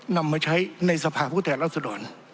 นำมาใช้ในสภาพประเทศรัสดร